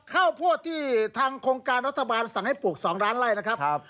ข้าวโพดที่ทางโครงการรัฐบาลสั่งให้ปลูก๒ล้านไล่นะครับ